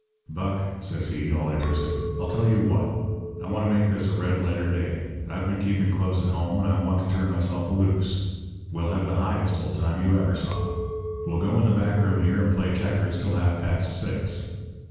"'Buck,' says he, all interested, 'I'll tell you what! I want to make this a red letter day. I've been keeping close at home, and I want to turn myself a loose. We'll have the highest old time you ever saw. We'll go in the back room here and play checkers till half past six.'